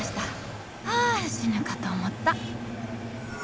はあ死ぬかと思った。